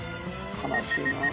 「悲しいな」